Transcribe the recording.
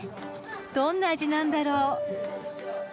どんな味なんだろう？